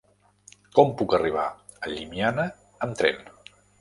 Com puc arribar a Llimiana amb tren?